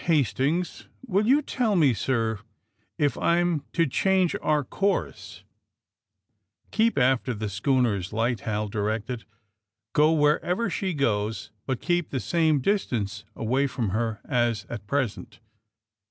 HASTINGS, will you tell me, sir, if I 'm to change our course 1 '' ''Keep after the schooner's light," Hal directed, '' Go wherever she goes, but keep the same distance away from her as at present."